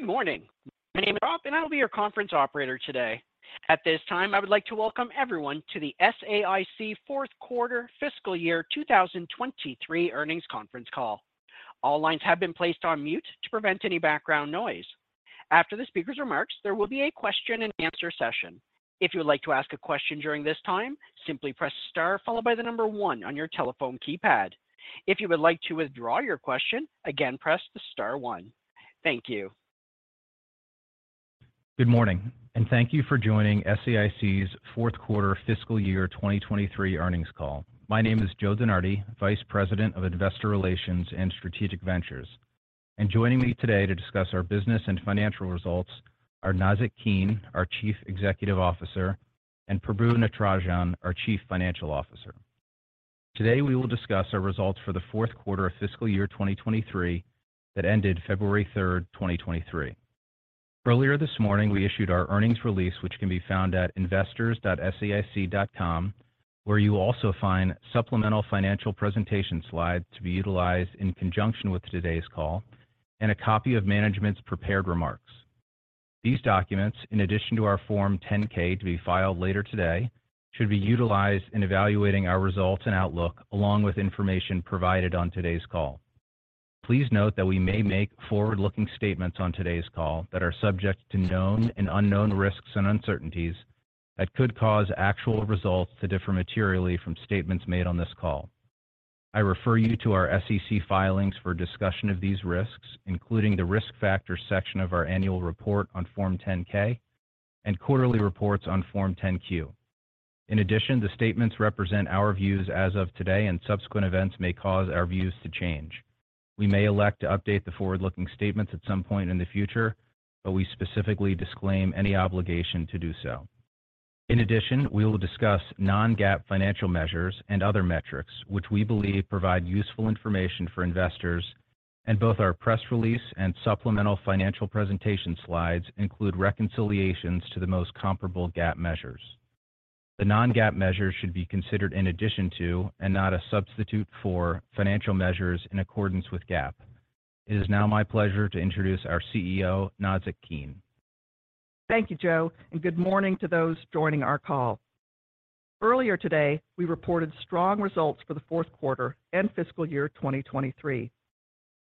Good morning. My name is Rob, and I'll be your conference operator today. At this time, I would like to welcome everyone to the SAIC fourth quarter fiscal year 2023 earnings conference call. All lines have been placed on mute to prevent any background noise. After the speaker's remarks, there will be a question-and-answer session. If you would like to ask a question during this time, simply press star followed by 1 on your telephone keypad. If you would like to withdraw your question, again, press the star one. Thank you. Good morning, and thank you for joining SAIC's fourth quarter fiscal year 2023 earnings call. My name is Joe DeNardi, Vice President of Investor Relations and Strategic Ventures. Joining me today to discuss our business and financial results are Nazzic Keene, our Chief Executive Officer, and Prabu Natarajan, our Chief Financial Officer. Today, we will discuss our results for the fourth quarter of fiscal year 2023 that ended February 3rd, 2023. Earlier this morning, we issued our earnings release, which can be found at investors.saic.com, where you will also find supplemental financial presentation slides to be utilized in conjunction with today's call and a copy of management's prepared remarks. These documents, in addition to our Form 10-K to be filed later today, should be utilized in evaluating our results and outlook along with information provided on today's call. Please note that we may make forward-looking statements on today's call that are subject to known and unknown risks and uncertainties that could cause actual results to differ materially from statements made on this call. I refer you to our SEC filings for a discussion of these risks, including the Risk Factors section of our Annual Report on Form 10-K and quarterly reports on Form 10-Q. The statements represent our views as of today, and subsequent events may cause our views to change. We may elect to update the forward-looking statements at some point in the future, but we specifically disclaim any obligation to do so. We will discuss non-GAAP financial measures and other metrics which we believe provide useful information for investors, and both our press release and supplemental financial presentation slides include reconciliations to the most comparable GAAP measures. The non-GAAP measures should be considered in addition to, and not a substitute for, financial measures in accordance with GAAP. It is now my pleasure to introduce our CEO, Nazzic Keene. Thank you, Joe. Good morning to those joining our call. Earlier today, we reported strong results for the fourth quarter and fiscal year 2023.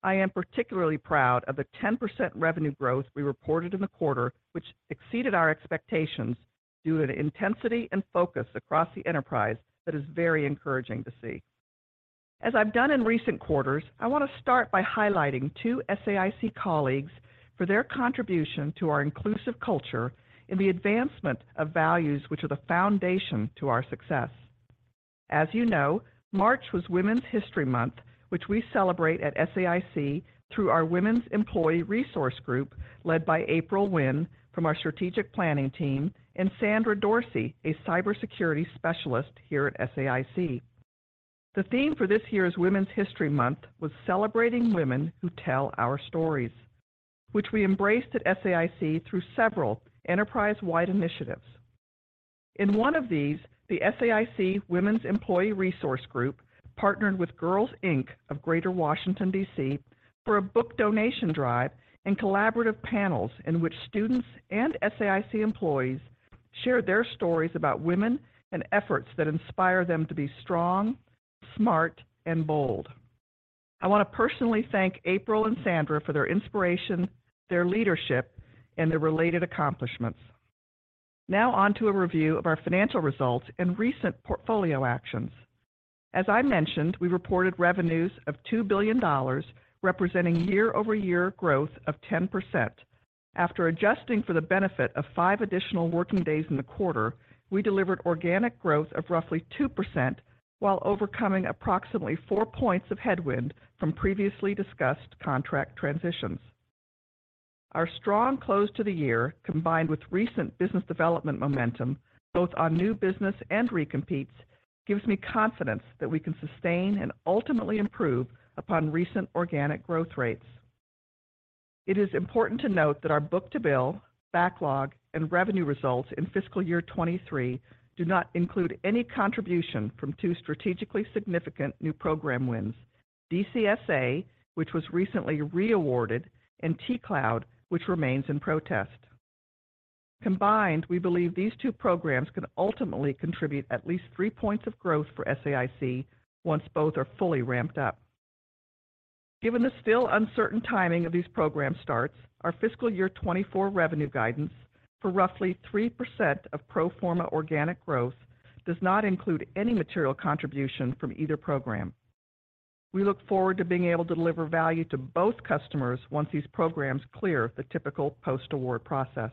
I am particularly proud of the 10% revenue growth we reported in the quarter, which exceeded our expectations due to the intensity and focus across the enterprise that is very encouraging to see. As I've done in recent quarters, I want to start by highlighting two SAIC colleagues for their contribution to our inclusive culture in the advancement of values which are the foundation to our success. As you know, March was Women's History Month, which we celebrate at SAIC through our Women's Employee Resource Group, led by April Wynn from our strategic planning team, and Sandra Dorsey, a cybersecurity specialist here at SAIC. The theme for this year's Women's History Month was Celebrating Women Who Tell Our Stories, which we embraced at SAIC through several enterprise-wide initiatives. In one of these, the SAIC Women's Employee Resource Group partnered with Girls Inc. of Greater Washington, D.C., for a book donation drive and collaborative panels in which students and SAIC employees shared their stories about women and efforts that inspire them to be strong, smart, and bold. I want to personally thank April and Sandra for their inspiration, their leadership, and their related accomplishments. Now on to a review of our financial results and recent portfolio actions. As I mentioned, we reported revenues of $2 billion, representing year-over-year growth of 10%. After adjusting for the benefit of five additional working days in the quarter, we delivered organic growth of roughly 2% while overcoming approximately four points of headwind from previously discussed contract transitions. Our strong close to the year, combined with recent business development momentum, both on new business and recompetes, gives me confidence that we can sustain and ultimately improve upon recent organic growth rates. It is important to note that our book-to-bill, backlog, and revenue results in fiscal year 2023 do not include any contribution from two strategically significant new program wins: DCSA, which was recently re-awarded, and T-Cloud, which remains in protest. Combined, we believe these two programs can ultimately contribute at least 3 points of growth for SAIC once both are fully ramped up. Given the still uncertain timing of these program starts, our fiscal year 2024 revenue guidance for roughly 3% of pro forma organic growth does not include any material contribution from either program. We look forward to being able to deliver value to both customers once these programs clear the typical post-award process.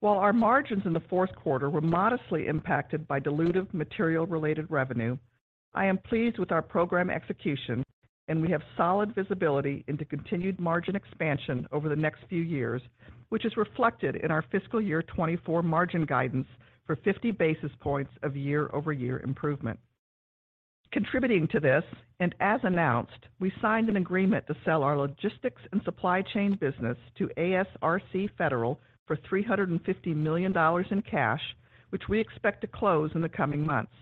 While our margins in the fourth quarter were modestly impacted by dilutive material-related revenue, I am pleased with our program execution, and we have solid visibility into continued margin expansion over the next few years, which is reflected in our fiscal year 2024 margin guidance for 50 basis points of year-over-year improvement. Contributing to this, as announced, we signed an agreement to sell our logistics and supply chain business to ASRC Federal for $350 million in cash, which we expect to close in the coming months.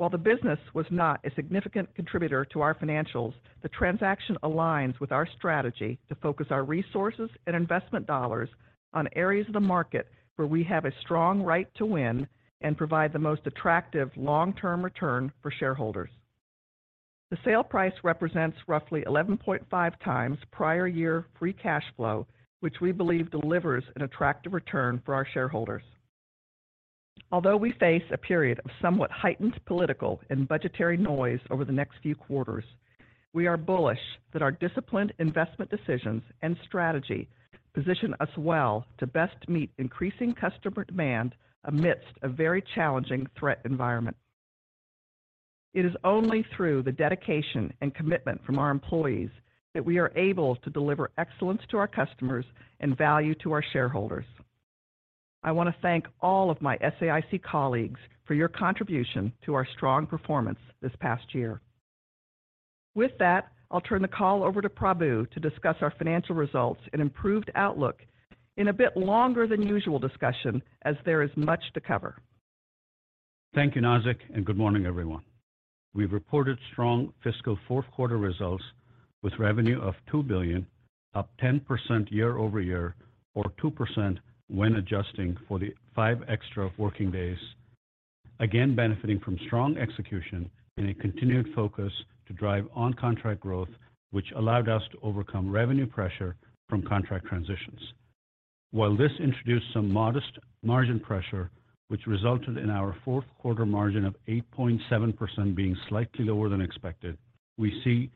While the business was not a significant contributor to our financials, the transaction aligns with our strategy to focus our resources and investment dollars on areas of the market where we have a strong right to win and provide the most attractive long-term return for shareholders. The sale price represents roughly 11.5x prior year free cash flow, which we believe delivers an attractive return for our shareholders. Although we face a period of somewhat heightened political and budgetary noise over the next few quarters, we are bullish that our disciplined investment decisions and strategy position us well to best meet increasing customer demand amidst a very challenging threat environment. It is only through the dedication and commitment from our employees that we are able to deliver excellence to our customers and value to our shareholders. I want to thank all of my SAIC colleagues for your contribution to our strong performance this past year. With that, I'll turn the call over to Prabu to discuss our financial results and improved outlook in a bit longer than usual discussion as there is much to cover. Thank you, Nazzic, and good morning, everyone. We've reported strong fiscal fourth-quarter results with revenue of $2 billion, up 10% year-over-year or 2% when adjusting for the five extra working days. Again, benefiting from strong execution and a continued focus to drive on contract growth, which allowed us to overcome revenue pressure from contract transitions. While this introduced some modest margin pressure, which resulted in our fourth-quarter margin of 8.7% being slightly lower than expected, we see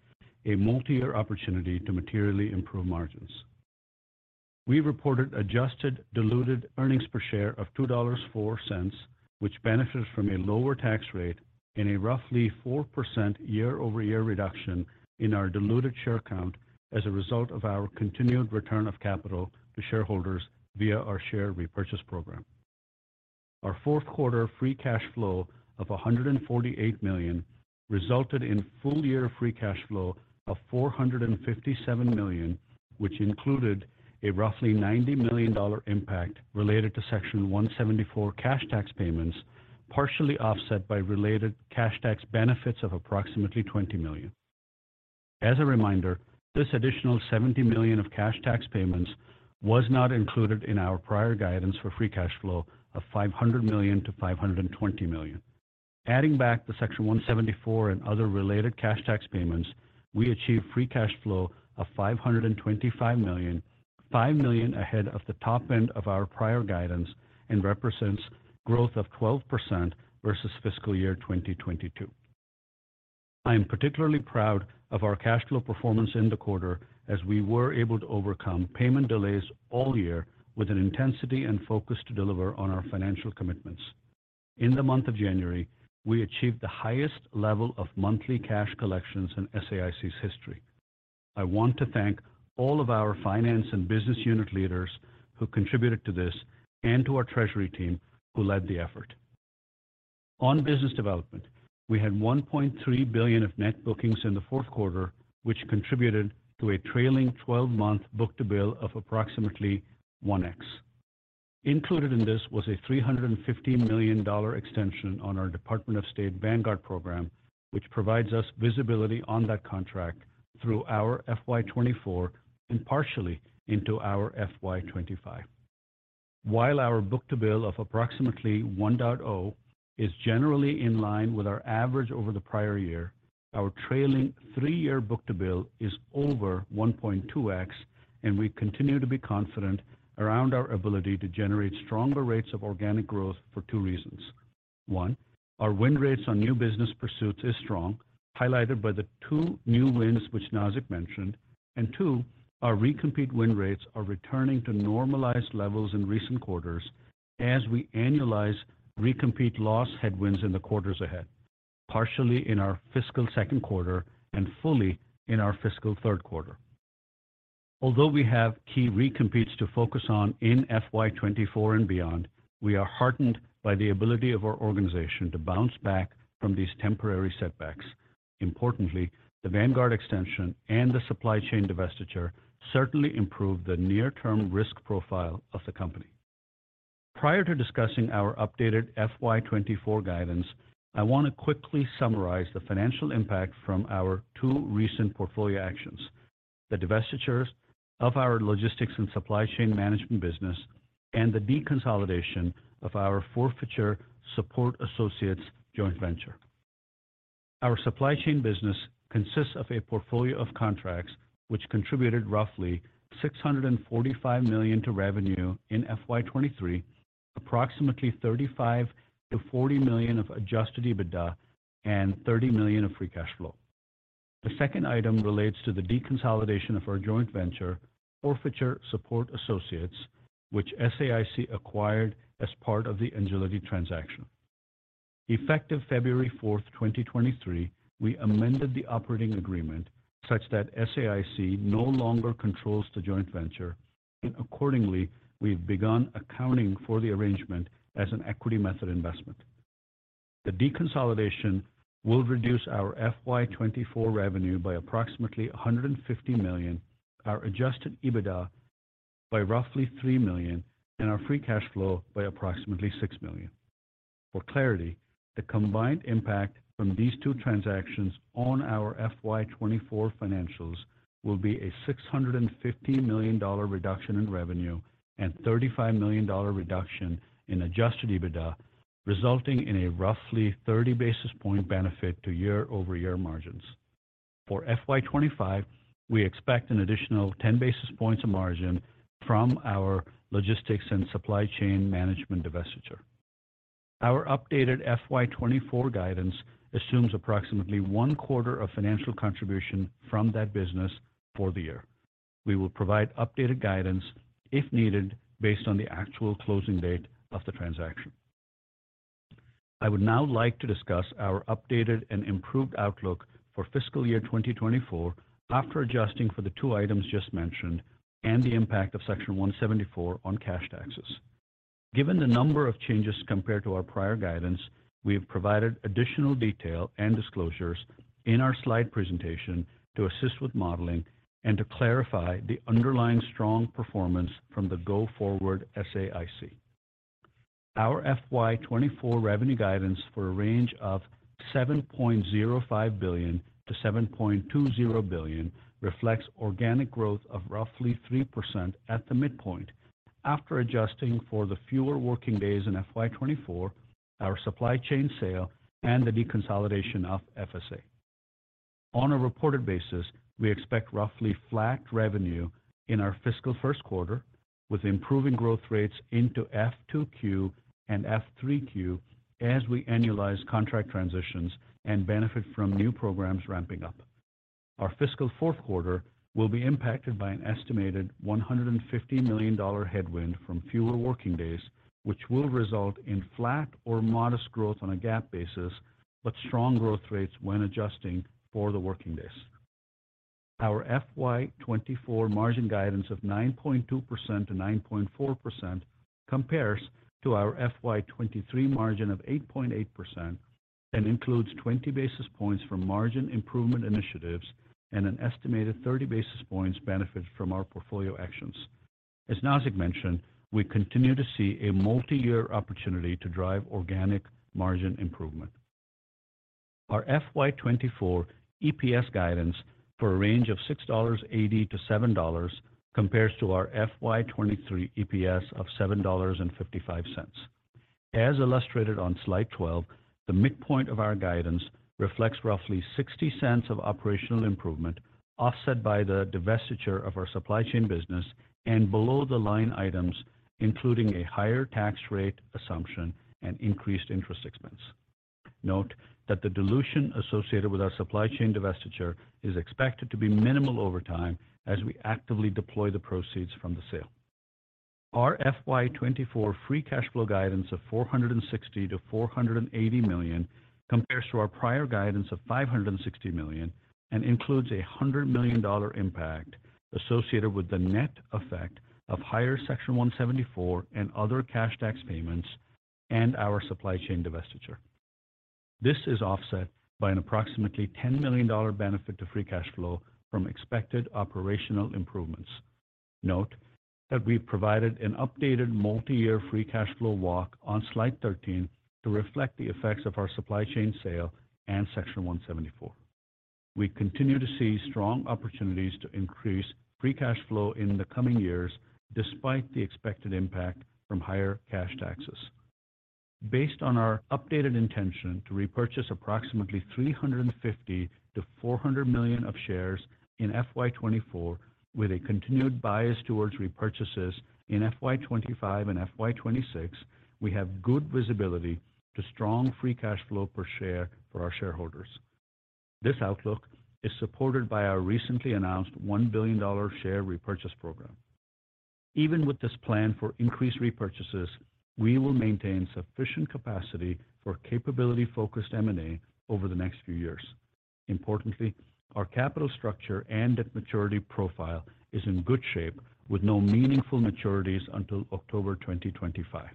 a multi-year opportunity to materially improve margins. We reported adjusted diluted earnings per share of $2.04, which benefits from a lower tax rate and a roughly 4% year-over-year reduction in our diluted share count as a result of our continued return of capital to shareholders via our share repurchase program. Our fourth-quarter free cash flow of $148 million resulted in full-year free cash flow of $457 million, which included a roughly $90 million impact related to Section 174 cash tax payments, partially offset by related cash tax benefits of approximately $20 million. As a reminder, this additional $70 million of cash tax payments was not included in our prior guidance for free cash flow of $500 million-$520 million. Adding back the Section 174 and other related cash tax payments, we achieved free cash flow of $525 million, $5 million ahead of the top end of our prior guidance and represents growth of 12% versus fiscal year 2022. I am particularly proud of our cash flow performance in the quarter as we were able to overcome payment delays all year with an intensity and focus to deliver on our financial commitments. In the month of January, we achieved the highest level of monthly cash collections in SAIC's history. I want to thank all of our finance and business unit leaders who contributed to this and to our treasury team who led the effort. On business development, we had $1.3 billion of net bookings in the fourth quarter, which contributed to a trailing-twelve-month book-to-bill of approximately 1x. Included in this was a $350 million extension on our Department of State Vanguard program, which provides us visibility on that contract through our FY 2024 and partially into our FY 2025. While our book-to-bill of approximately 1.0 is generally in line with our average over the prior year, our trailing 3-year book-to-bill is over 1.2x, we continue to be confident around our ability to generate stronger rates of organic growth for two reasons. 1, our win rates on new business pursuits is strong, highlighted by the two new wins which Nazzic mentioned. 2, our recompete win rates are returning to normalized levels in recent quarters as we annualize recompete loss headwinds in the quarters ahead, partially in our fiscal second quarter and fully in our fiscal third quarter. Although we have key recompetes to focus on in FY 2024 and beyond, we are heartened by the ability of our organization to bounce back from these temporary setbacks. Importantly, the Vanguard extension and the supply chain divestiture certainly improve the near-term risk profile of the company. Prior to discussing our updated FY 2024 guidance, I want to quickly summarize the financial impact from our two recent portfolio actions, the divestitures of our logistics and supply chain management business, and the deconsolidation of our Forfeiture Support Associates joint venture. Our supply chain business consists of a portfolio of contracts which contributed roughly $645 million to revenue in FY 2023, approximately $35 million-$40 million of Adjusted EBITDA, and $30 million of free cash flow. The second item relates to the deconsolidation of our joint venture, Forfeiture Support Associates, which SAIC acquired as part of the Engility transaction. Effective February 4, 2023, we amended the operating agreement such that SAIC no longer controls the joint venture, and accordingly, we've begun accounting for the arrangement as an equity method investment. The deconsolidation will reduce our FY 2024 revenue by approximately $150 million, our Adjusted EBITDA by roughly $3 million and our free cash flow by approximately $6 million. For clarity, the combined impact from these two transactions on our FY 2024 financials will be a $650 million reduction in revenue and $35 million reduction in Adjusted EBITDA, resulting in a roughly 30 basis point benefit to year-over-year margins. For FY 2025, we expect an additional 10 basis points of margin from our logistics and supply chain management divestiture. Our updated FY 2024 guidance assumes approximately one quarter of financial contribution from that business for the year. We will provide updated guidance if needed based on the actual closing date of the transaction. I would now like to discuss our updated and improved outlook for fiscal year 2024 after adjusting for the two items just mentioned and the impact of Section 174 on cash taxes. Given the number of changes compared to our prior guidance, we have provided additional detail and disclosures in our slide presentation to assist with modeling and to clarify the underlying strong performance from the go-forward SAIC. Our FY 2024 revenue guidance for a range of $7.05 billion-$7.20 billion reflects organic growth of roughly 3% at the midpoint. After adjusting for the fewer working days in FY 2024, our supply chain sale and the deconsolidation of FSA. On a reported basis, we expect roughly flat revenue in our fiscal first quarter with improving growth rates into F2Q and F3Q as we annualize contract transitions and benefit from new programs ramping up. Our fiscal fourth quarter will be impacted by an estimated $150 million headwind from fewer working days, which will result in flat or modest growth on a GAAP basis, but strong growth rates when adjusting for the working days. Our FY 2024 margin guidance of 9.2%-9.4% compares to our FY 2023 margin of 8.8% and includes 20 basis points from margin improvement initiatives and an estimated 30 basis points benefit from our portfolio actions. As Nazzic mentioned, we continue to see a multiyear opportunity to drive organic margin improvement. Our FY 2024 EPS guidance for a range of $6.80-$7.00 compares to our FY 2023 EPS of $7.55. As illustrated on slide 12, the midpoint of our guidance reflects roughly $0.60 of operational improvement, offset by the divestiture of our supply chain business and below the line items, including a higher tax rate assumption and increased interest expense. Note that the dilution associated with our supply chain divestiture is expected to be minimal over time as we actively deploy the proceeds from the sale. Our FY 2024 free cash flow guidance of $460 million-$480 million compares to our prior guidance of $560 million and includes a $100 million impact associated with the net effect of higher Section 174 and other cash tax payments and our supply chain divestiture. This is offset by an approximately $10 million benefit to free cash flow from expected operational improvements. Note that we've provided an updated multiyear free cash flow walk on slide 13 to reflect the effects of our supply chain sale and Section 174. We continue to see strong opportunities to increase free cash flow in the coming years despite the expected impact from higher cash taxes. Based on our updated intention to repurchase approximately $350 million-$400 million of shares in FY 2024 with a continued bias towards repurchases in FY 2025 and FY 2026, we have good visibility to strong free cash flow per share for our shareholders. This outlook is supported by our recently announced $1 billion share repurchase program. Even with this plan for increased repurchases, we will maintain sufficient capacity for capability-focused M&A over the next few years. Importantly, our capital structure and debt maturity profile is in good shape with no meaningful maturities until October 2025.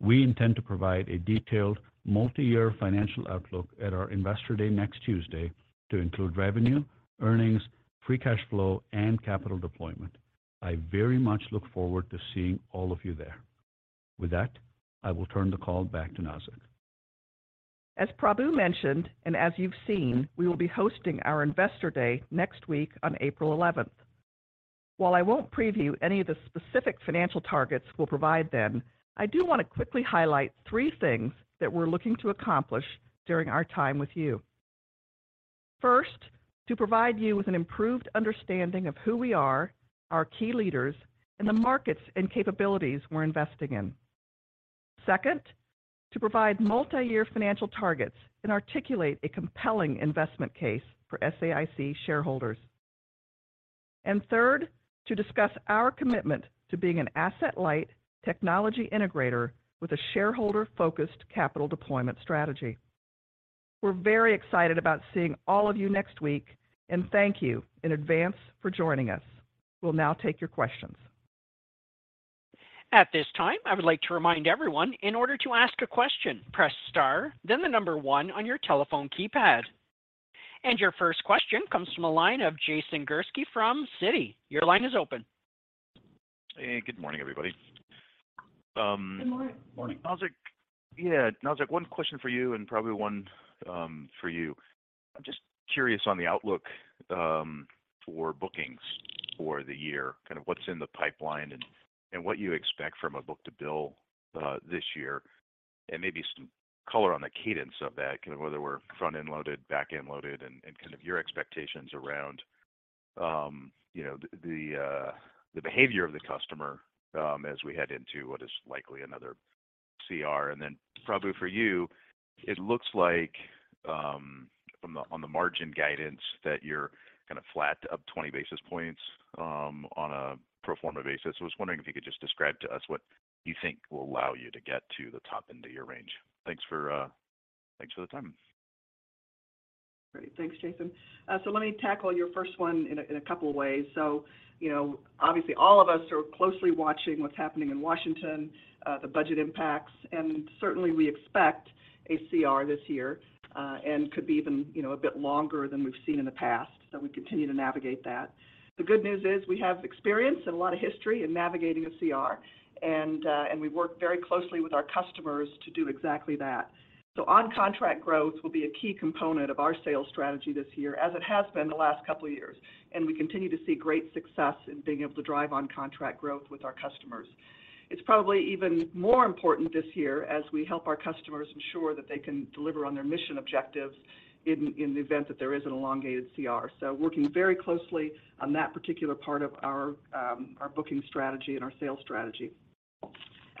We intend to provide a detailed multi-year financial outlook at our Investor Day next Tuesday to include revenue, earnings, free cash flow and capital deployment. I very much look forward to seeing all of you there. With that, I will turn the call back to Nazzic. As Prabu mentioned, as you've seen, we will be hosting our Investor Day next week on April 11th. While I won't preview any of the specific financial targets we'll provide then, I do want to quickly highlight 3 things that we're looking to accomplish during our time with you. First, to provide you with an improved understanding of who we are, our key leaders, and the markets and capabilities we're investing in. Second, to provide multi-year financial targets and articulate a compelling investment case for SAIC shareholders. Third, to discuss our commitment to being an asset-light technology integrator with a shareholder-focused capital deployment strategy. We're very excited about seeing all of you next week, and thank you in advance for joining us. We'll now take your questions. At this time, I would like to remind everyone, in order to ask a question, press star then the number one on your telephone keypad. Your first question comes from the line of Jason Gursky from Citi. Your line is open. Hey, good morning, everybody. Good morning. Yeah, Nazzic, one question for you and Prabu, one for you. I'm just curious on the outlook for bookings for the year, kind of what's in the pipeline and what you expect from a book-to-bill this year. Maybe some color on the cadence of that, kind of whether we're front-end loaded, back-end loaded, and kind of your expectations around, you know, the behavior of the customer as we head into what is likely another CR. Then Prabu, for you, it looks like on the margin guidance that you're kind of flat to up 20 basis points on a pro forma basis. I was wondering if you could just describe to us what you think will allow you to get to the top end of your range. Thanks for, thanks for the time. Great. Thanks, Jason. Let me tackle your first one in a couple of ways. You know, obviously all of us are closely watching what's happening in Washington, the budget impacts, and certainly we expect a CR this year, and could be even, you know, a bit longer than we've seen in the past. We continue to navigate that. The good news is we have experience and a lot of history in navigating a CR, and we work very closely with our customers to do exactly that. On-contract growth will be a key component of our sales strategy this year, as it has been the last couple of years, and we continue to see great success in being able to drive on-contract growth with our customers. It's probably even more important this year as we help our customers ensure that they can deliver on their mission objectives in the event that there is an elongated CR. Working very closely on that particular part of our booking strategy and our sales strategy.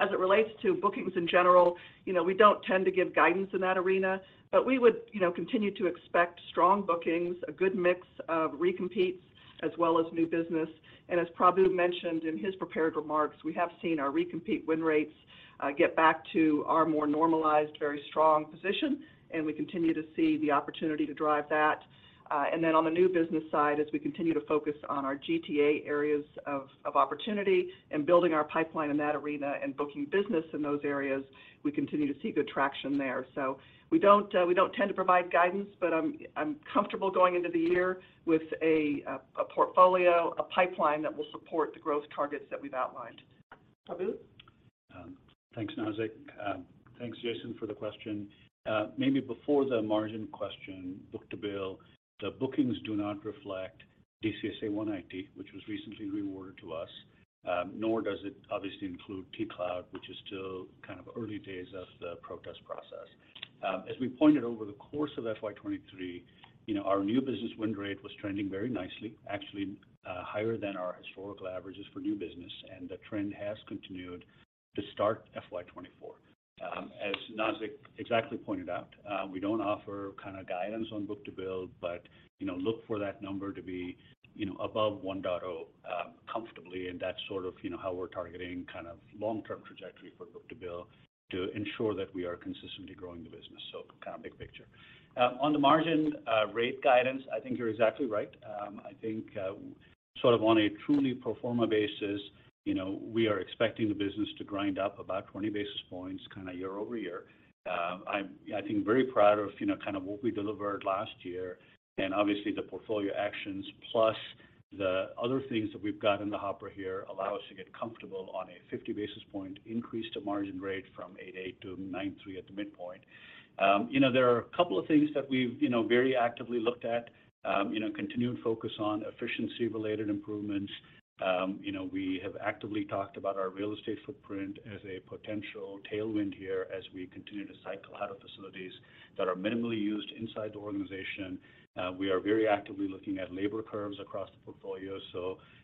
As it relates to bookings in general, you know, we don't tend to give guidance in that arena, but we would, you know, continue to expect strong bookings, a good mix of recompetes as well as new business. As Prabu mentioned in his prepared remarks, we have seen our recompete win rates get back to our more normalized, very strong position, and we continue to see the opportunity to drive that. On the new business side, as we continue to focus on our GTA areas of opportunity and building our pipeline in that arena and booking business in those areas, we continue to see good traction there. We don't tend to provide guidance, but I'm comfortable going into the year with a portfolio, a pipeline that will support the growth targets that we've outlined. Prabu? Thanks, Nazzic. Thanks, Jason, for the question. Maybe before the margin question, book-to-bill, the bookings do not reflect DCSA One IT, which was recently re-awarded to us, nor does it obviously include T-Cloud, which is still kind of early days of the protest process. As we pointed over the course of FY 2023, you know, our new business win rate was trending very nicely, actually, higher than our historical averages for new business, and the trend has continued to start FY 2024. As Nazzic exactly pointed out, we don't offer kind of guidance on book-to-bill, but, you know, look for that number to be, you know, above 1.0, comfortably, and that's sort of, you know, how we're targeting kind of long-term trajectory for book-to-bill to ensure that we are consistently growing the business kind of big picture. On the margin, rate guidance, I think you're exactly right. I think, sort of on a truly pro forma basis, you know, we are expecting the business to grind up about 20 basis points kind of year-over-year. I'm, I think, very proud of, you know, kind of what we delivered last year and obviously the portfolio actions plus the other things that we've got in the hopper here allow us to get comfortable on a 50 basis point increase to margin rate from 8.8% to 9.3% at the midpoint. you know, there are a couple of things that we've, you know, very actively looked at, you know, continued focus on efficiency-related improvements. You know, we have actively talked about our real estate footprint as a potential tailwind here as we continue to cycle out of facilities that are minimally used inside the organization. We are very actively looking at labor curves across the portfolio.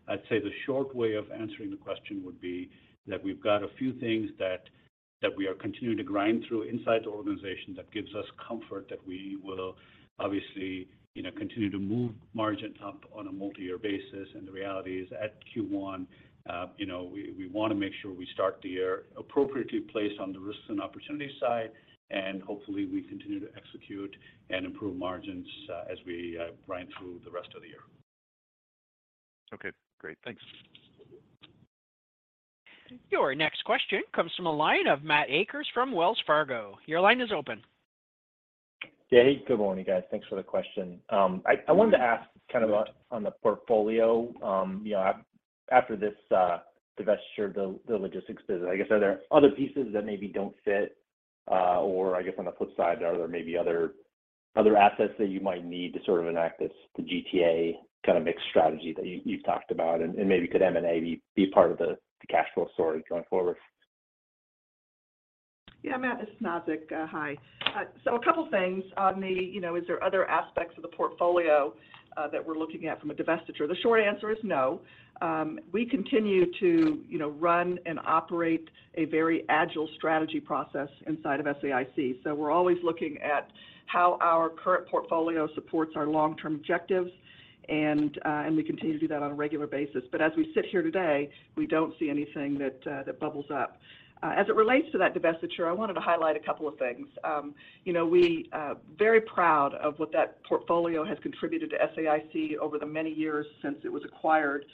I'd say the short way of answering the question would be that we've got a few things that we are continuing to grind through inside the organization that gives us comfort that we will obviously, you know, continue to move margin up on a multi-year basis. The reality is, at Q1, you know, we wanna make sure we start the year appropriately placed on the risks and opportunities side, and hopefully we continue to execute and improve margins, as we, grind through the rest of the year. Okay. Great. Thanks. Your next question comes from a line of Matt Akers from Wells Fargo. Your line is open. Yeah. Hey, good morning, guys. Thanks for the question. I wanted to ask kind of on the portfolio, you know, after this divestiture, the logistics business, I guess, are there other pieces that maybe don't fit? I guess on the flip side, are there maybe other assets that you might need to sort of enact this GTA kind of mixed strategy that you've talked about, and maybe could M&A be part of the cash flow story going forward? Yeah. Matt, it's Nazzic. Hi. A couple things. On the, you know, is there other aspects of the portfolio that we're looking at how our current portfolio supports our long-term objectives, and we continue to do that on a regular basis. As we sit here today, we don't see anything that bubbles up. As it relates to that divestiture, I wanted to highlight a couple of things. You know, we are very proud of what that portfolio has contributed to SAIC over the many years since it was acquired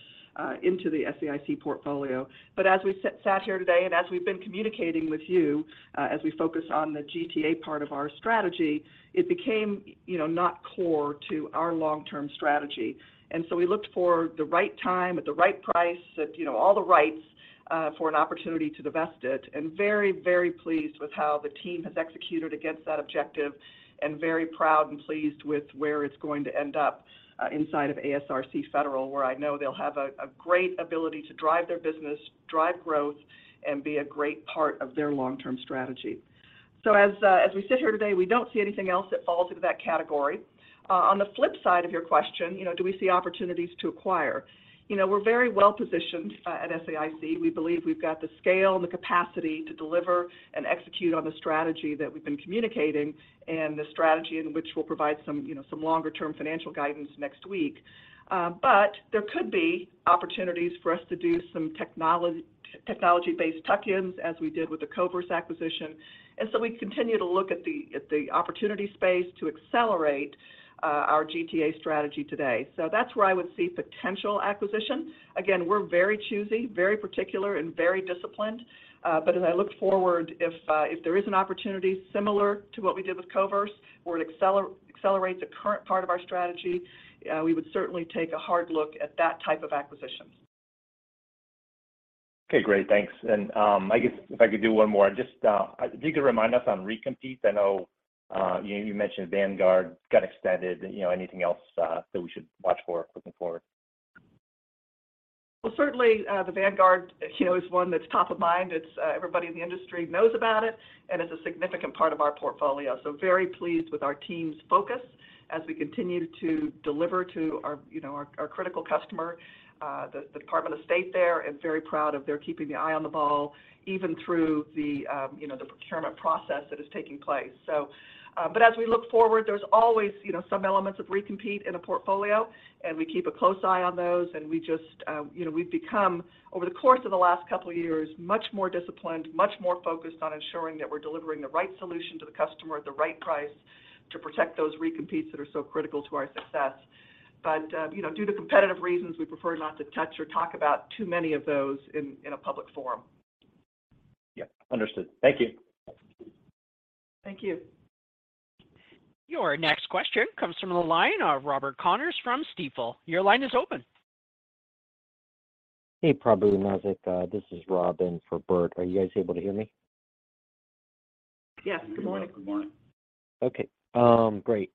into the SAIC portfolio. As we sat here today and as we've been communicating with you, as we focus on the GTA part of our strategy, it became, you know, not core to our long-term strategy. We looked for the right time at the right price that, you know, all the rights, for an opportunity to divest it. Very pleased with how the team has executed against that objective, and very proud and pleased with where it's going to end up inside of ASRC Federal, where I know they'll have a great ability to drive their business, drive growth, and be a great part of their long-term strategy. As we sit here today, we don't see anything else that falls into that category. On the flip side of your question, you know, do we see opportunities to acquire? You know, we're very well-positioned at SAIC. We believe we've got the scale and the capacity to deliver and execute on the strategy that we've been communicating and the strategy in which we'll provide some, you know, some longer term financial guidance next week. There could be opportunities for us to do some technology-based tuck-ins as we did with the Koverse acquisition. We continue to look at the opportunity space to accelerate our GTA strategy today. That's where I would see potential acquisition. Again, we're very choosy, very particular, and very disciplined. As I look forward, if there is an opportunity similar to what we did with Koverse, where it accelerates the current part of our strategy, we would certainly take a hard look at that type of acquisition. Okay. Great. Thanks. I guess if I could do one more. Just, if you could remind us on recompete, I know, you mentioned Vanguard got extended. You know, anything else, that we should watch for looking forward? Certainly, the Vanguard, you know, is one that's top of mind. It's everybody in the industry knows about it, and is a significant part of our portfolio. Very pleased with our team's focus as we continue to deliver to our, you know, our critical customer, the Department of State there. Very proud of their keeping the eye on the ball even through the, you know, the procurement process that is taking place. As we look forward, there's always, you know, some elements of recompete in a portfolio, and we keep a close eye on those. We just, you know, we've become, over the course of the last couple of years, much more disciplined, much more focused on ensuring that we're delivering the right solution to the customer at the right price to protect those recompetes that are so critical to our success. You know, due to competitive reasons, we prefer not to touch or talk about too many of those in a public forum. Yeah. Understood. Thank you. Thank you. Your next question comes from the line of Robert Connors from Stifel. Your line is open. Prabu Natarajan, this is Rob in for Bert. Are you guys able to hear me? Yes. Good morning. We can hear you. Good morning. Okay. great.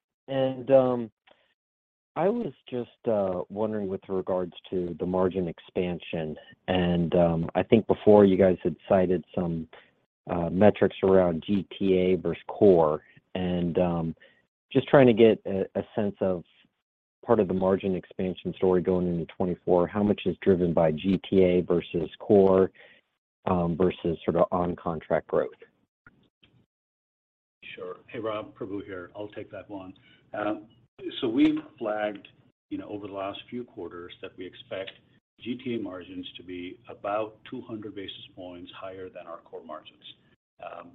I was just wondering with regards to the margin expansion, I think before you guys had cited some metrics around GTA versus core. Just trying to get a sense of part of the margin expansion story going into 2024, how much is driven by GTA versus core versus sort of on-contract growth? Sure. Hey, Rob. Prabu here. I'll take that one. We flagged, you know, over the last few quarters that we expect GTA margins to be about 200 basis points higher than our core margins.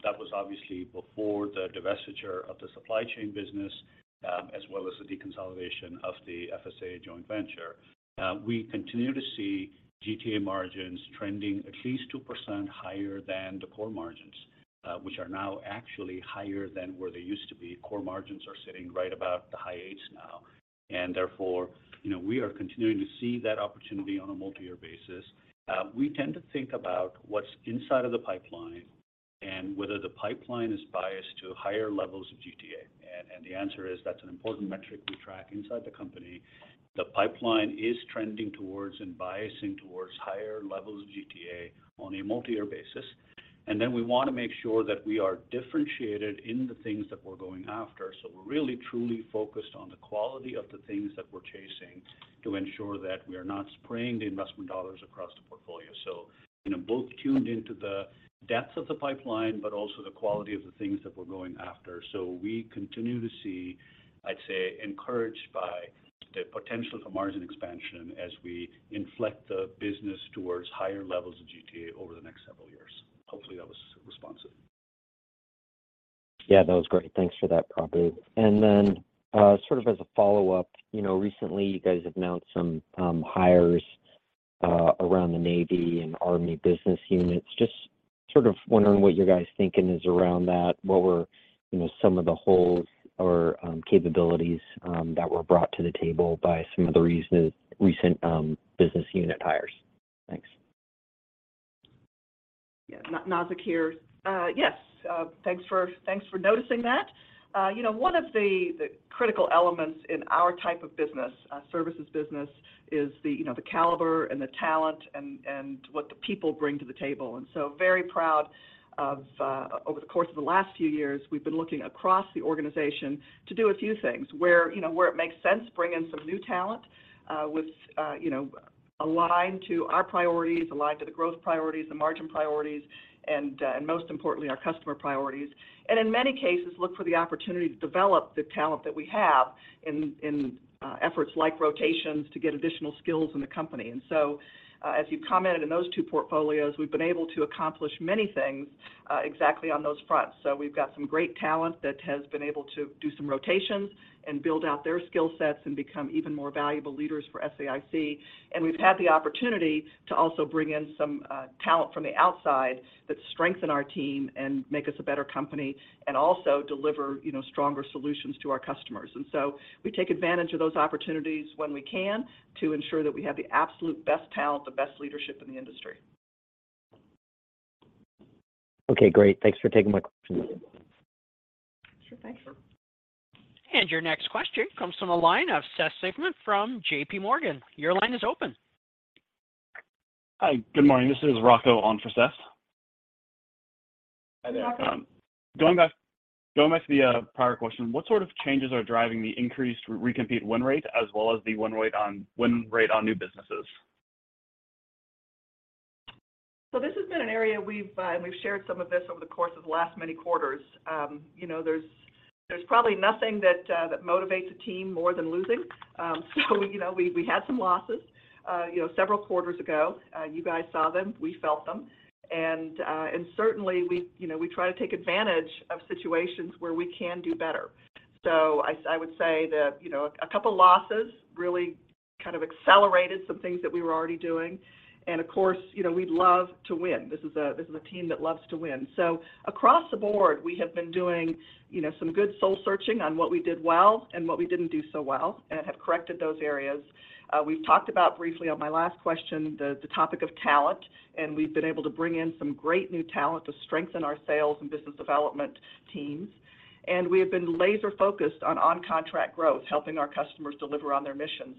That was obviously before the divestiture of the supply chain business, as well as the deconsolidation of the FSA joint venture. We continue to see GTA margins trending at least 2% higher than the core margins, which are now actually higher than where they used to be. Core margins are sitting right about the high eights now. Therefore, you know, we are continuing to see that opportunity on a multi-year basis. We tend to think about what's inside of the pipeline and whether the pipeline is biased to higher levels of GTA. The answer is that's an important metric we track inside the company. The pipeline is trending towards and biasing towards higher levels of GTA on a multi-year basis. Then we wanna make sure that we are differentiated in the things that we're going after. We're really truly focused on the quality of the things that we're chasing to ensure that we are not spraying the investment dollars across the portfolio. You know, both tuned into the depth of the pipeline, but also the quality of the things that we're going after. We continue to see, I'd say, encouraged by the potential for margin expansion as we inflect the business towards higher levels of GTA over the next several years. Hopefully, that was responsive. Yeah, that was great. Thanks for that, Prabu. sort of as a follow-up, you know, recently you guys have announced some hires around the Navy and Army business units. Just sort of wondering what your guys' thinking is around that. What were, you know, some of the holes or capabilities that were brought to the table by some of the recent business unit hires? Thanks. Nazzic here. Yes, thanks for noticing that. You know, one of the critical elements in our type of business, services business is the, you know, the caliber and the talent and what the people bring to the table. Very proud of over the course of the last few years, we've been looking across the organization to do a few things. Where, you know, where it makes sense, bring in some new talent with, you know, aligned to our priorities, aligned to the growth priorities, the margin priorities, and most importantly, our customer priorities. In many cases, look for the opportunity to develop the talent that we have in efforts like rotations to get additional skills in the company. As you've commented in those two portfolios, we've been able to accomplish many things exactly on those fronts. We've got some great talent that has been able to do some rotations and build out their skill sets and become even more valuable leaders for SAIC. We've had the opportunity to also bring in some talent from the outside that strengthen our team and make us a better company, and also deliver, you know, stronger solutions to our customers. We take advantage of those opportunities when we can to ensure that we have the absolute best talent, the best leadership in the industry. Okay, great. Thanks for taking my question. Sure thing. Your next question comes from the line of Seth Seifman from JPMorgan. Your line is open. Hi. Good morning. This is Rocco on for Seth. Hi, there. Going back to the prior question, what sort of changes are driving the increased recompete win rate as well as the win rate on new businesses? This has been an area we've shared some of this over the course of the last many quarters. You know, there's probably nothing that motivates a team more than losing. You know, we had some losses, you know, several quarters ago. You guys saw them, we felt them. Certainly we, you know, we try to take advantage of situations where we can do better. I would say that, you know, a couple losses really kind of accelerated some things that we were already doing. Of course, you know, we love to win. This is a team that loves to win. Across the board, we have been doing, you know, some good soul searching on what we did well and what we didn't do so well and have corrected those areas. We've talked about briefly on my last question, the topic of talent, we've been able to bring in some great new talent to strengthen our sales and business development teams. We have been laser-focused on on-contract growth, helping our customers deliver on their missions.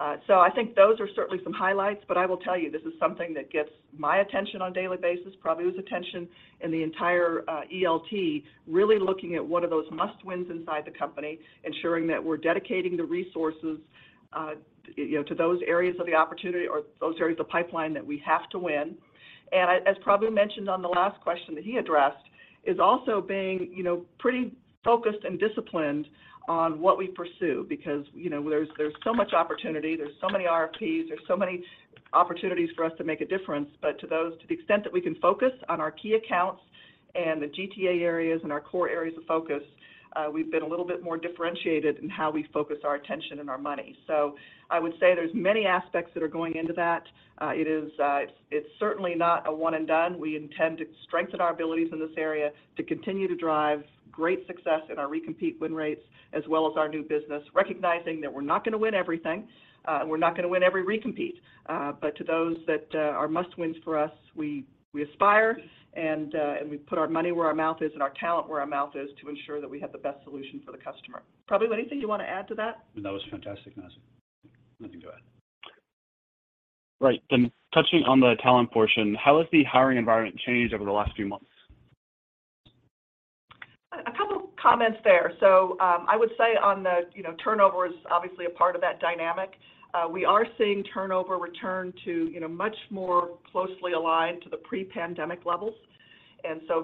I think those are certainly some highlights, but I will tell you, this is something that gets my attention on a daily basis, Prabu's attention, and the entire ELT really looking at what are those must wins inside the company, ensuring that we're dedicating the resources, you know, to those areas of the opportunity or those areas of pipeline that we have to win. As Prabu mentioned on the last question that he addressed, is also being, you know, pretty focused and disciplined on what we pursue because, you know, there's so much opportunity, there's so many RFPs, there's so many opportunities for us to make a difference. To those, to the extent that we can focus on our key accounts and the GTA areas and our core areas of focus, we've been a little bit more differentiated in how we focus our attention and our money. I would say there's many aspects that are going into that. It is, it's certainly not a one and done. We intend to strengthen our abilities in this area to continue to drive great success in our recompete win rates as well as our new business, recognizing that we're not gonna win everything, and we're not gonna win every recompete. But to those that are must wins for us, we aspire and we put our money where our mouth is and our talent where our mouth is to ensure that we have the best solution for the customer. Prabu, anything you want to add to that? No, that was fantastic, Nazzic. Nothing to add. Right. Touching on the talent portion, how has the hiring environment changed over the last few months? A couple comments there. I would say on the, you know, turnover is obviously a part of that dynamic. We are seeing turnover return to, you know, much more closely aligned to the pre-pandemic levels.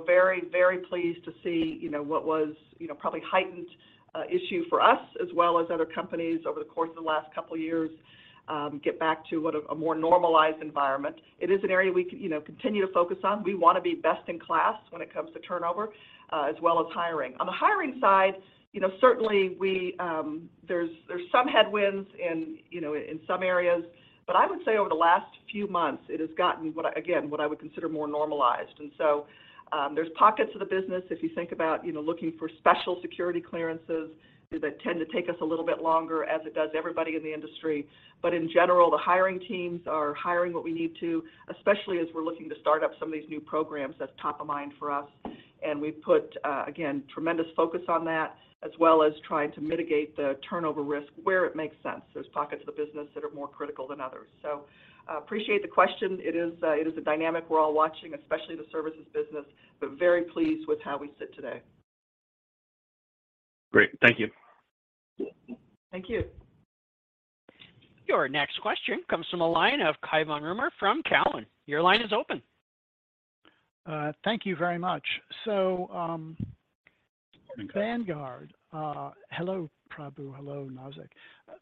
Very, very pleased to see, you know, what was, you know, probably heightened issue for us as well as other companies over the course of the last couple of years, get back to what a more normalized environment. It is an area we can, you know, continue to focus on. We wanna be best in class when it comes to turnover, as well as hiring. On the hiring side, you know, certainly we, there's some headwinds in, you know, in some areas, but I would say over the last few months, it has gotten what I would consider more normalized. There's pockets of the business, if you think about, you know, looking for special security clearances that tend to take us a little bit longer as it does everybody in the industry. In general, the hiring teams are hiring what we need to, especially as we're looking to start up some of these new programs, that's top of mind for us. We've put again, tremendous focus on that as well as trying to mitigate the turnover risk where it makes sense. There's pockets of the business that are more critical than others. Appreciate the question. It is a dynamic we're all watching, especially the services business, but very pleased with how we sit today. Great. Thank you. Thank you. Your next question comes from the line of Cai von Rumohr from Cowen. Your line is open. Thank you very much. Hi, Cai von. Vanguard. Hello, Prabu. Hello, Nazzic.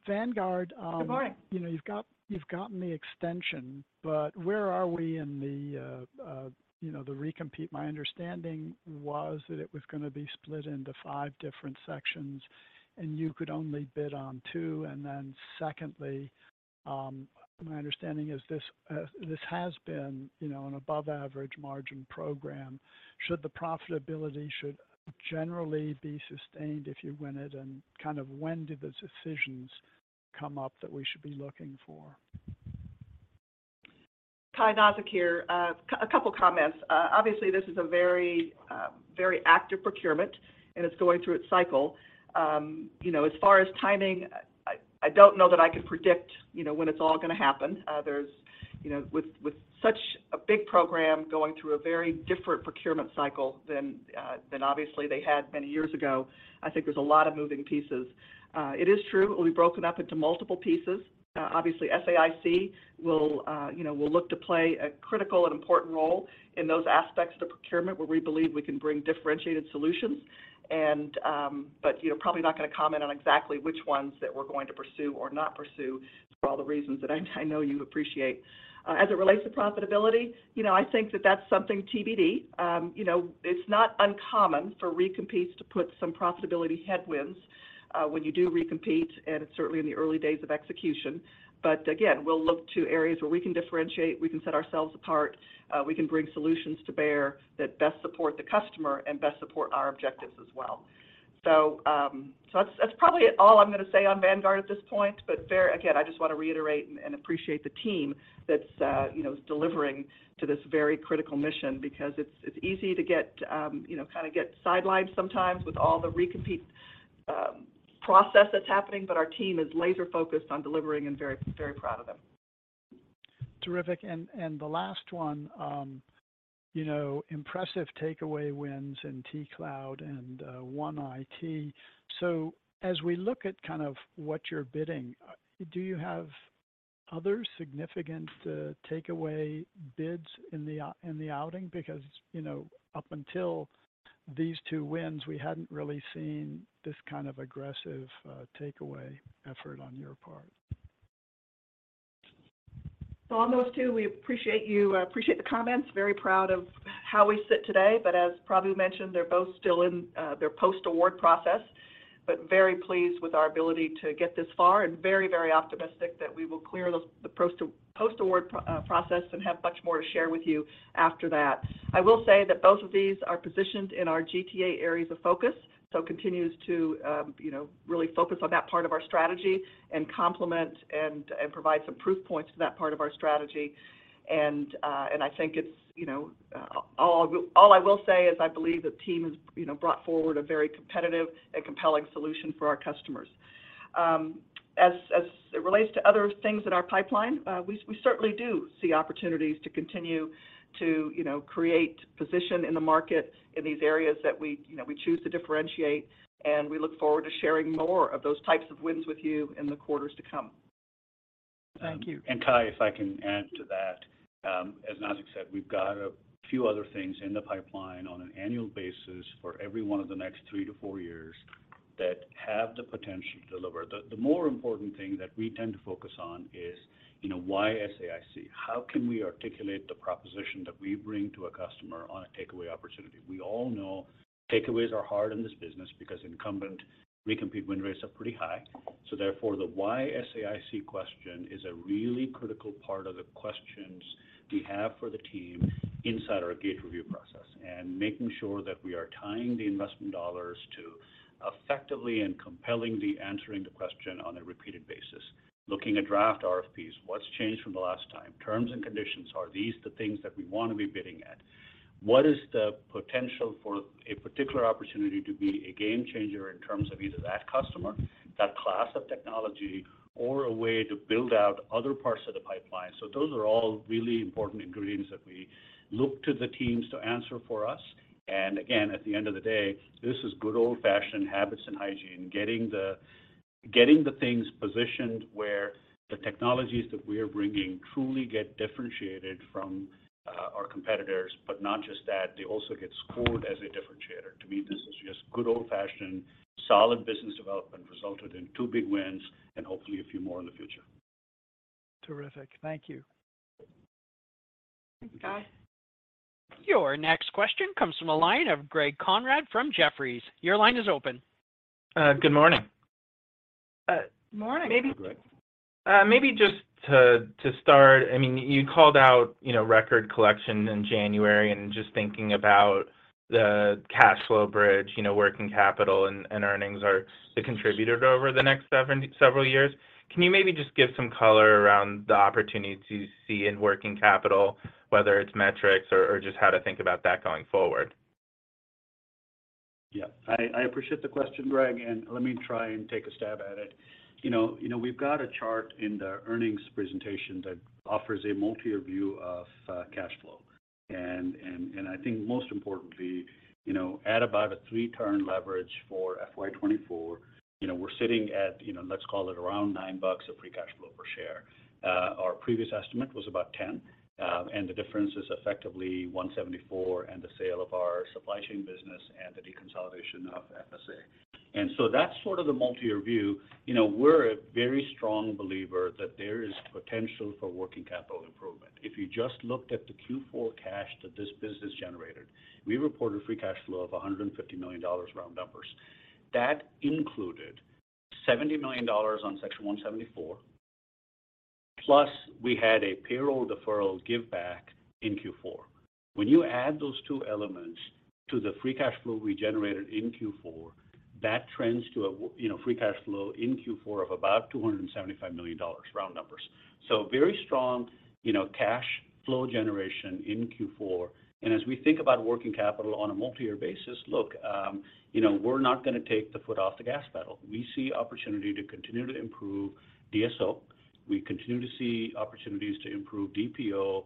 Vanguard. Good morning. You know, you've gotten the extension, where are we in the, you know, the recompete? My understanding was that it was gonna be split into five different sections, and you could only bid on two. Secondly, my understanding is this has been, you know, an above average margin program. Should the profitability should generally be sustained if you win it, and kind of when do those decisions come up that we should be looking for? Cai, Nazzic Keene here. A couple comments. Obviously, this is a very active procurement, and it's going through its cycle. You know, as far as timing, I don't know that I can predict, you know, when it's all gonna happen. There's. You know, with such a big program going through a very different procurement cycle than obviously they had many years ago, I think there's a lot of moving pieces. It is true it will be broken up into multiple pieces. Obviously, SAIC will, you know, will look to play a critical and important role in those aspects of the procurement where we believe we can bring differentiated solutions and. You know, probably not gonna comment on exactly which ones that we're going to pursue or not pursue for all the reasons that I know you appreciate. As it relates to profitability, you know, I think that's something TBD. You know, it's not uncommon for recompetes to put some profitability headwinds when you do recompete, and it's certainly in the early days of execution. Again, we'll look to areas where we can differentiate, we can set ourselves apart, we can bring solutions to bear that best support the customer and best support our objectives as well. That's probably all I'm gonna say on Vanguard at this point, but again, I just wanna reiterate and appreciate the team that's, you know, is delivering to this very critical mission because it's easy to get, you know, kind of get sidelined sometimes with all the recompete process that's happening, but our team is laser-focused on delivering and very, very proud of them. Terrific. The last one, you know, impressive takeaway wins in T-Cloud and One IT. As we look at kind of what you're bidding, do you have other significant takeaway bids in the outing? Because, you know, up until these two wins, we hadn't really seen this kind of aggressive takeaway effort on your part. On those two, we appreciate you, appreciate the comments. Very proud of how we sit today, but as Prabu mentioned, they're both still in their post-award process. Very pleased with our ability to get this far and very, very optimistic that we will clear those, the post-award process and have much more to share with you after that. I will say that both of these are positioned in our GTA areas of focus, so continues to, you know, really focus on that part of our strategy and complement and provide some proof points to that part of our strategy. I think it's, you know, All I will say is I believe the team has, you know, brought forward a very competitive and compelling solution for our customers. As it relates to other things in our pipeline, we certainly do see opportunities to continue to, you know, create position in the market in these areas that we, you know, we choose to differentiate, and we look forward to sharing more of those types of wins with you in the quarters to come. Thank you. Cai, if I can add to that, as Nazzic said, we've got a few other things in the pipeline on an annual basis for every one of the next three to four years that have the potential to deliver. The more important thing that we tend to focus on is, you know, why SAIC? How can we articulate the proposition that we bring to a customer on a takeaway opportunity? We all know takeaways are hard in this business because incumbent recompete win rates are pretty high, so therefore the why SAIC question is a really critical part of the questions we have for the team inside our gate review process, and making sure that we are tying the investment dollars to effectively and compellingly answering the question on a repeated basis. Looking at draft RFPs, what's changed from the last time? Terms and conditions, are these the things that we want to be bidding at? What is the potential for a particular opportunity to be a game changer in terms of either that customer, that class of technology, or a way to build out other parts of the pipeline? Those are all really important ingredients that we look to the teams to answer for us. Again, at the end of the day, this is good old-fashioned habits and hygiene, getting the things positioned where the technologies that we're bringing truly get differentiated from our competitors. Not just that, they also get scored as a differentiator. To me, this is just good old-fashioned solid business development resulted in 2 big wins, and hopefully a few more in the future. Terrific. Thank you. Thanks, Cai. Your next question comes from the line of Greg Konrad from Jefferies. Your line is open. Good morning. Morning. Hey, Greg. Maybe just to start, I mean, you called out, you know, record collection in January and just thinking about the cash flow bridge, you know, working capital and earnings are the contributor over the next several years. Can you maybe just give some color around the opportunity to see in working capital, whether it's metrics or just how to think about that going forward? Yeah. I appreciate the question, Greg, and let me try and take a stab at it. You know, we've got a chart in the earnings presentation that offers a multi-year view of cash flow. I think most importantly, you know, at about a 3-turn leverage for FY 2024, you know, we're sitting at, let's call it around $9 of free cash flow per share. Our previous estimate was about 10, and the difference is effectively 174 and the sale of our supply chain business and the deconsolidation of FSA. That's sort of the multi-year view. You know, we're a very strong believer that there is potential for working capital improvement. If you just looked at the Q4 cash that this business generated, we reported free cash flow of $150 million, round numbers. That included $70 million on Section 174. We had a payroll deferral give back in Q4. When you add those two elements to the free cash flow we generated in Q4, that trends to a you know, free cash flow in Q4 of about $275 million, round numbers. Very strong, you know, cash flow generation in Q4. As we think about working capital on a multi-year basis, look, you know, we're not gonna take the foot off the gas pedal. We see opportunity to continue to improve DSO. We continue to see opportunities to improve DPO,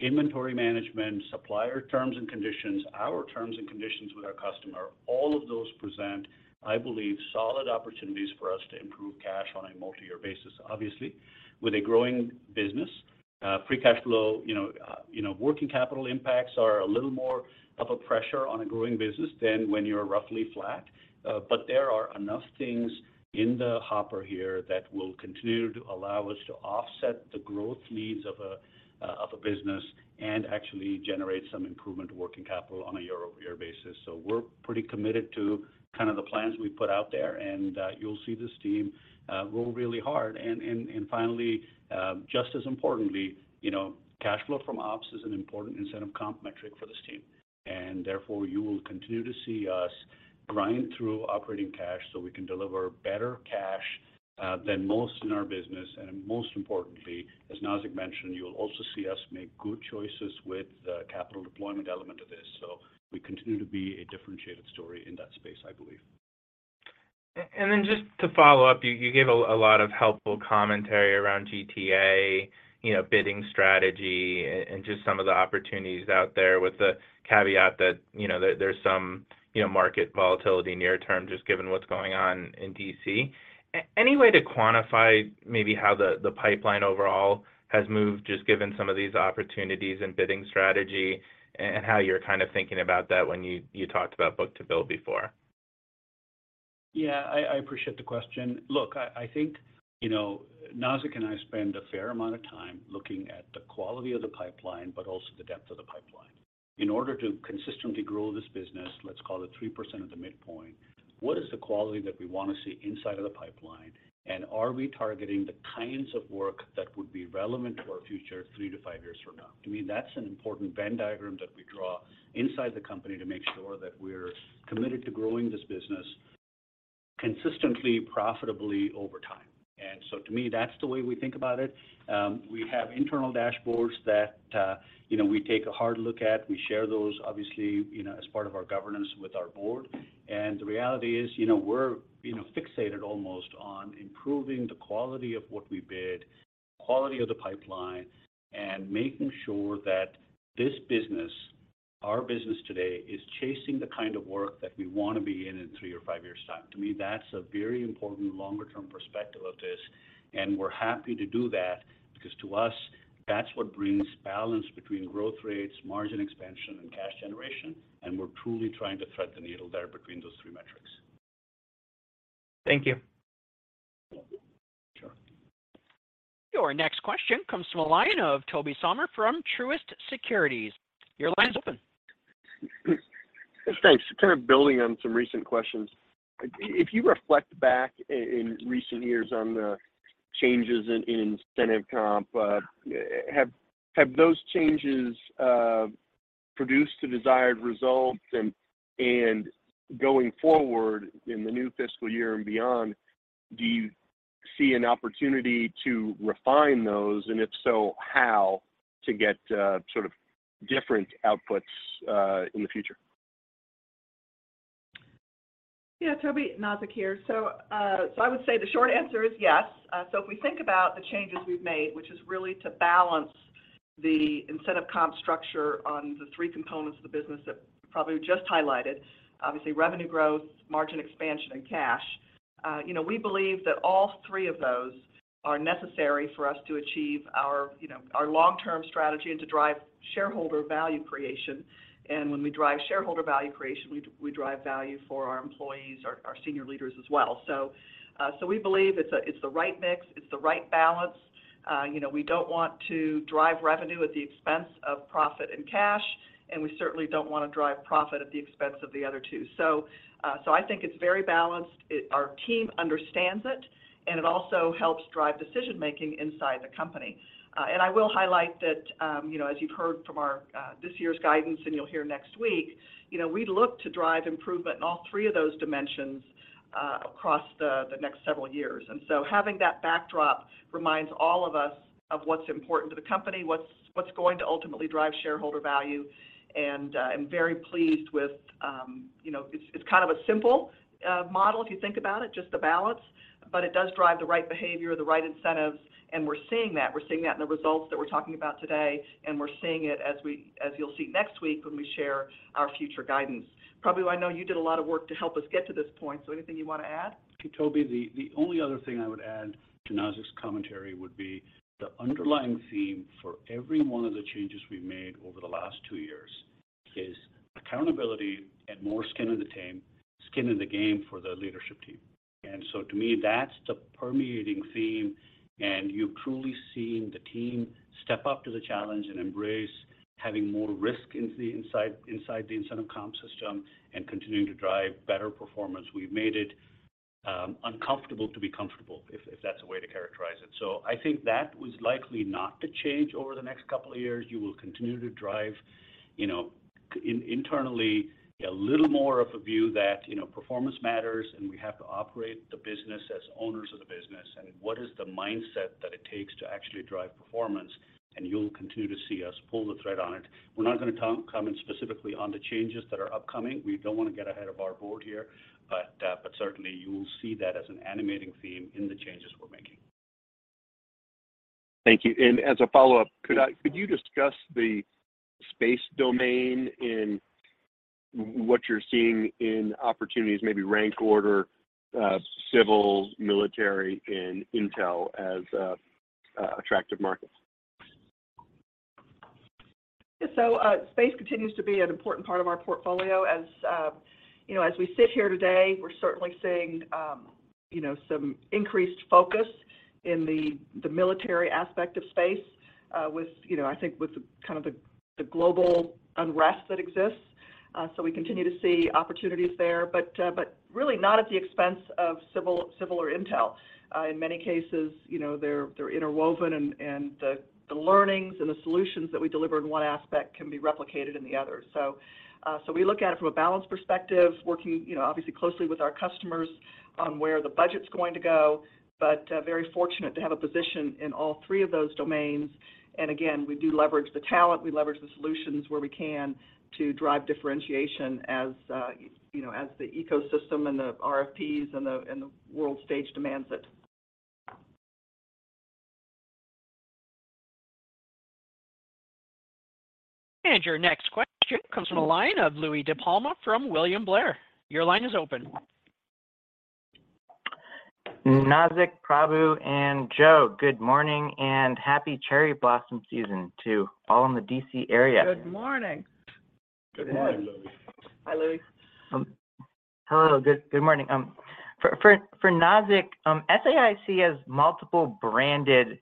inventory management, supplier terms and conditions, our terms and conditions with our customer, all of those present, I believe, solid opportunities for us to improve cash on a multi-year basis. Obviously, with a growing business, free cash flow, you know, you know, working capital impacts are a little more of a pressure on a growing business than when you're roughly flat. There are enough things in the hopper here that will continue to allow us to offset the growth needs of a business and actually generate some improvement to working capital on a year-over-year basis. We're pretty committed to kind of the plans we've put out there, and, you'll see this team roll really hard. finally, just as importantly, you know, cash flow from ops is an important incentive comp metric for this team. Therefore, you will continue to see us grind through operating cash so we can deliver better cash than most in our business. Most importantly, as Nazzic mentioned, you'll also see us make good choices with the capital deployment element of this. We continue to be a differentiated story in that space, I believe. Then just to follow up, you gave a lot of helpful commentary around GTA, you know, bidding strategy and just some of the opportunities out there with the caveat that, you know, there's some, you know, market volatility near term just given what's going on in D.C. Any way to quantify maybe how the pipeline overall has moved just given some of these opportunities and bidding strategy and how you're kind of thinking about that when you talked about book-to-bill before? I appreciate the question. Look, I think, you know, Nazzic and I spend a fair amount of time looking at the quality of the pipeline, but also the depth of the pipeline. In order to consistently grow this business, let's call it 3% of the midpoint, what is the quality that we wanna see inside of the pipeline? Are we targeting the kinds of work that would be relevant to our future 3 to 5 years from now? To me, that's an important Venn diagram that we draw inside the company to make sure that we're committed to growing this business consistently, profitably over time. To me, that's the way we think about it. We have internal dashboards that, you know, we take a hard look at. We share those obviously, you know, as part of our governance with our board. The reality is, you know, we're, you know, fixated almost on improving the quality of what we bid, quality of the pipeline, and making sure that this business, our business today, is chasing the kind of work that we wanna be in in three or five years' time. To me, that's a very important longer term perspective of this, and we're happy to do that because to us, that's what brings balance between growth rates, margin expansion, and cash generation, and we're truly trying to thread the needle there between those three metrics. Thank you. Sure. Your next question comes from a line of Tobey Sommer from Truist Securities. Your line's open. Thanks. Kind of building on some recent questions. If you reflect back in recent years on the changes in incentive comp, have those changes produced the desired results? Going forward in the new fiscal year and beyond, do you see an opportunity to refine those? If so, how to get sort of different outputs in the future? Yeah, Tobey Sommer, Nazzic Keene here. I would say the short answer is yes. If we think about the changes we've made, which is really to balance the incentive comp structure on the three components of the business that Tobey Sommer just highlighted, obviously revenue growth, margin expansion, and cash, you know, we believe that all three of those are necessary for us to achieve our, you know, our long-term strategy and to drive shareholder value creation. When we drive shareholder value creation, we drive value for our employees, our senior leaders as well. We believe it's the right mix, it's the right balance. You know, we don't want to drive revenue at the expense of profit and cash, and we certainly don't wanna drive profit at the expense of the other two. I think it's very balanced. Our team understands it, and it also helps drive decision-making inside the company. I will highlight that, you know, as you've heard from our this year's guidance, and you'll hear next week, you know, we look to drive improvement in all three of those dimensions across the next several years. Having that backdrop reminds all of us of what's important to the company, what's going to ultimately drive shareholder value, I'm very pleased with, you know, it's kind of a simple model if you think about it, just the balance, but it does drive the right behavior, the right incentives, and we're seeing that. We're seeing that in the results that we're talking about today, we're seeing it as you'll see next week when we share our future guidance. Tobey, I know you did a lot of work to help us get to this point, anything you wanna add? Tobey, the only other thing I would add to Nazzic's commentary would be the underlying theme for every one of the changes we've made over the last two years is accountability and more skin in the game for the leadership team. To me, that's the permeating theme, and you've truly seen the team step up to the challenge and embrace having more risk into the inside the incentive comp system and continuing to drive better performance. We've made it uncomfortable to be comfortable, if that's the way to characterize it. I think that is likely not to change over the next couple of years. You will continue to drive, you know, internally a little more of a view that, you know, performance matters. We have to operate the business as owners of the business. What is the mindset that it takes to actually drive performance. You'll continue to see us pull the thread on it. We're not gonna come in specifically on the changes that are upcoming. We don't wanna get ahead of our board here. Certainly you will see that as an animating theme in the changes we're making. Thank you. As a follow-up, could you discuss the space domain in what you're seeing in opportunities, maybe rank order, civil, military, and intel as attractive markets? Space continues to be an important part of our portfolio. As, you know, as we sit here today, we're certainly seeing, you know, some increased focus in the military aspect of space, with, you know, I think with the kind of the global unrest that exists. We continue to see opportunities there, but really not at the expense of civil or intel. In many cases, you know, they're interwoven and the learnings and the solutions that we deliver in one aspect can be replicated in the other. We look at it from a balance perspective, working, you know, obviously closely with our customers on where the budget's going to go, but very fortunate to have a position in all three of those domains. Again, we do leverage the talent, we leverage the solutions where we can to drive differentiation as, you know, as the ecosystem and the RFPs and the, and the world stage demands it. Your next question comes from the line of Louie DiPalma from William Blair. Your line is open. Nazzic, Prabu, and Joe, good morning and happy cherry blossom season to all in the D.C. area. Good morning. Good morning, Louie. Hi, Louie. Hello. Good morning. For Nazzic, SAIC has multiple branded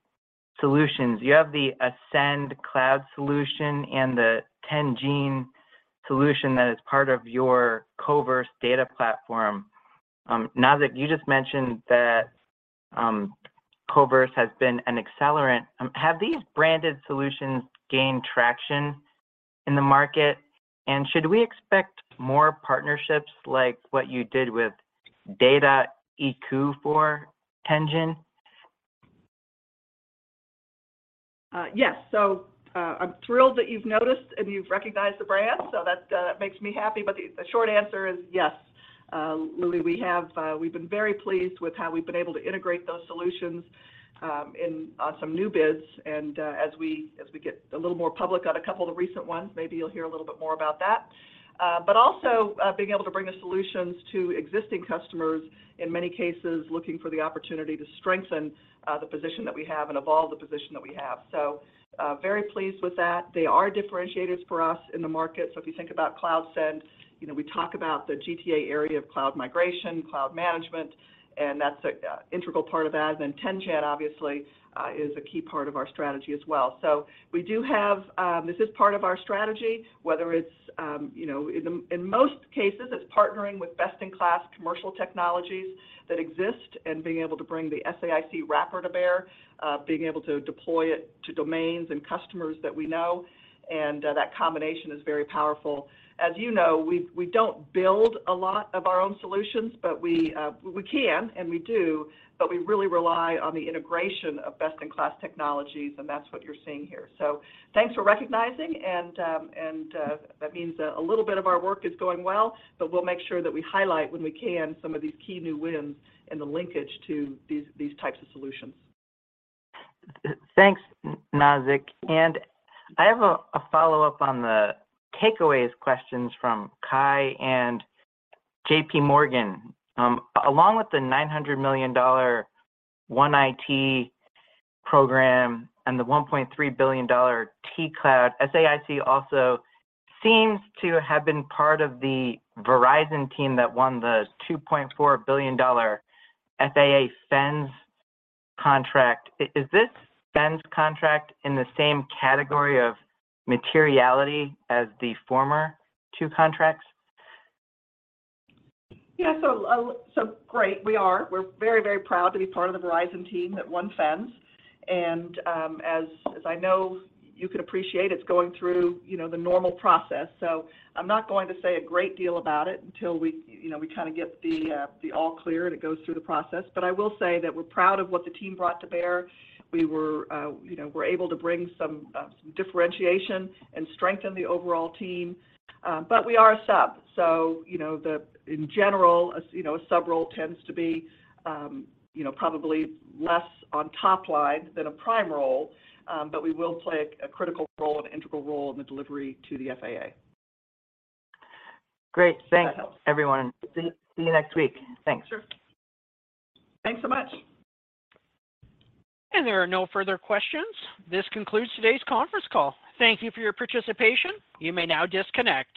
solutions. You have the CloudScend solution and the Tenjin solution that is part of your Koverse data platform. Nazzic, you just mentioned that Koverse has been an accelerant. Have these branded solutions gained traction in the market? Should we expect more partnerships like what you did with Dataiku for Tenjin? Yes. I'm thrilled that you've noticed and you've recognized the brand, so that makes me happy. The short answer is yes. Louis, we have, we've been very pleased with how we've been able to integrate those solutions, in some new bids. As we get a little more public on a couple of the recent ones, maybe you'll hear a little bit more about that. Also, being able to bring the solutions to existing customers, in many cases looking for the opportunity to strengthen the position that we have and evolve the position that we have. Very pleased with that. They are differentiators for us in the market. If you think about CloudScend, you know, we talk about the GTA area of cloud migration, cloud management, and that's a integral part of that. Tenjin obviously, is a key part of our strategy as well. We do have, this is part of our strategy, whether it's, you know, in the, in most cases, it's partnering with best-in-class commercial technologies that exist and being able to bring the SAIC wrapper to bear, being able to deploy it to domains and customers that we know, and that combination is very powerful. As you know, we don't build a lot of our own solutions, but we can and we do, but we really rely on the integration of best-in-class technologies, and that's what you're seeing here. Thanks for recognizing and, that means, a little bit of our work is going well, but we'll make sure that we highlight when we can some of these key new wins and the linkage to these types of solutions. Thanks, Nazzic Keene. And I have a follow-up on the takeaways questions from Cai von Rumohr and JPMorgan. Along with the $900 million One IT program and the $1.3 billion T-Cloud, SAIC also seems to have been part of the Verizon team that won the $2.4 billion FAA FENS contract. Is this FENS contract in the same category of materiality as the former two contracts? Yeah. Great, we are. We're very, very proud to be part of the Verizon team that won FENS. As I know you can appreciate, it's going through, you know, the normal process. I'm not going to say a great deal about it until we, you know, we kinda get the all clear and it goes through the process. I will say that we're proud of what the team brought to bear. We were, you know, we're able to bring some differentiation and strengthen the overall team. We are a sub, so you know, in general, as you know, a sub role tends to be, you know, probably less on top line than a prime role. We will play a critical role, an integral role in the delivery to the FAA. Great. Thanks, everyone. If that helps. See you, see you next week. Thanks. Sure. Thanks so much. There are no further questions. This concludes today's conference call. Thank you for your participation. You may now disconnect.